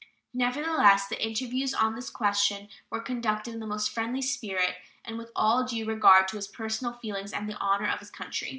Nevertheless, the interviews on this question were conducted in the most friendly spirit and with all due regard to his personal feelings and the honor of his country.